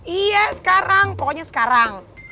iya sekarang pokoknya sekarang